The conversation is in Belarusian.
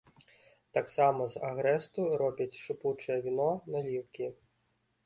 Таксама з агрэсту робяць шыпучае віно, наліўкі.